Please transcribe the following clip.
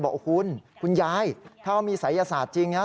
บอกคุณคุณยายถ้าเขามีศัยศาสตร์จริงนะ